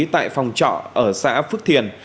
tại phòng trọ ở xã phước thiền